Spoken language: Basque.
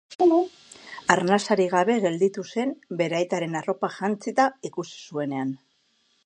Arnasarik gabe gelditu zen bere aitaren arropak jantzita ikusi zuenean.